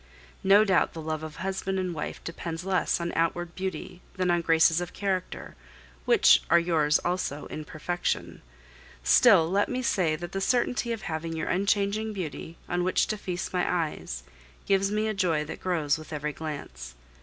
No doubt the love of husband and wife depends less on outward beauty than on graces of character, which are yours also in perfection; still, let me say that the certainty of having your unchanging beauty, on which to feast my eyes, gives me a joy that grows with every glance.